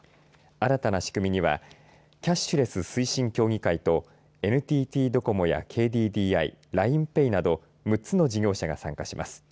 新たな仕組みにはキャッシュレス推進協議会とＮＴＴドコモやＫＤＤＩＬＩＮＥＰａｙなど６つの事業者が参加します。